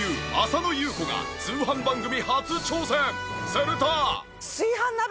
すると。